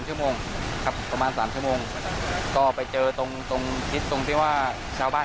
ชั่วโมงครับประมาณสามชั่วโมงก็ไปเจอตรงตรงทิศตรงที่ว่าชาวบ้าน